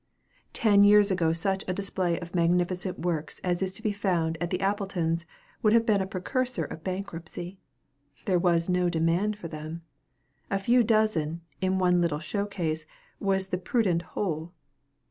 Ten years ago such a display of magnificent works as is to be found at the Appletons' would have been a precursor of bankruptcy. There was no demand for them. A few dozen, in one little show case, was the prudent whole.